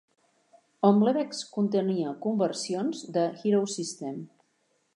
"Omlevex" contenia conversions de Hero System.